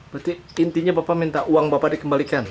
berarti intinya bapak minta uang bapak dikembalikan